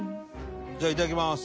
じゃあいただきます。